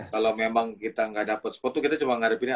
kalau memang kita gak dapet spot tuh kita cuma ngarepin ya